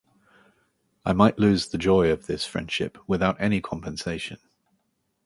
I might lose the joy of this friendship without any compensation.